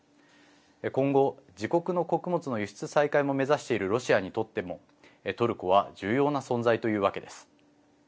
今後、自国の穀物の輸出再開も目指しているロシアにとってもトルコは重要な存在というわけです。